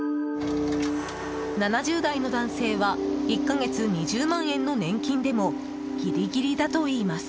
７０代の男性は１か月２０万円の年金でもギリギリだといいます。